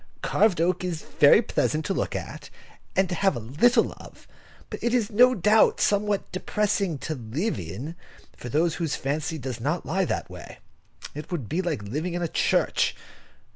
Carved oak is very pleasant to look at, and to have a little of, but it is no doubt somewhat depressing to live in, for those whose fancy does not lie that way. It would be like living in a church.